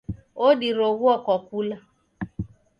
Odiroghua kwa kula